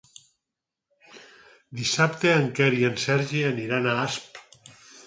Dissabte en Quer i en Sergi aniran a Asp.